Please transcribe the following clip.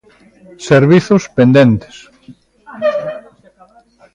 Servizos pendentes.